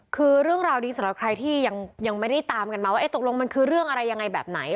คือเรื่องราวนี้สำหรับใครที่ยังไม่ได้ตามกันมาว่าตกลงมันคือเรื่องอะไรยังไงแบบไหน